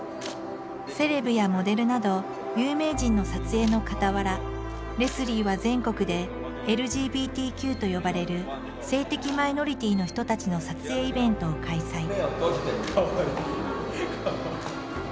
セレブやモデルなど有名人の撮影のかたわらレスリーは全国で「ＬＧＢＴＱ」と呼ばれる性的マイノリティーの人たちの撮影イベントを開催。